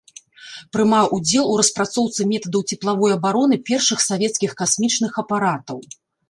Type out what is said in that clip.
Прымаў удзел у распрацоўцы метадаў цеплавой абароны першых савецкіх касмічных апаратаў.